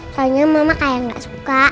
tanya mama kayak gak suka